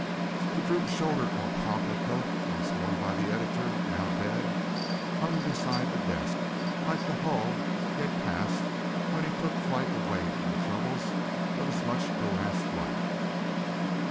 The droop shouldered alpaca coat once worn by the editor now dead, hung beside the desk, like the hull he had cast when he took flight away from the troubles of his much harassed life.